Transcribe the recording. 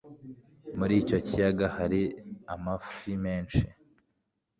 muri icyo kiyaga hari amafi menshi